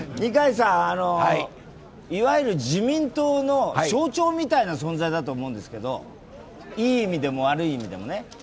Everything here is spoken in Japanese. いわゆる自民党の象徴みたいな存在だと思うんですけどいい意味でも悪い意味でもね。